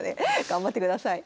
頑張ってください。